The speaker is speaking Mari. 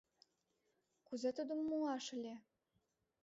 Кузе тудым муаш ыле?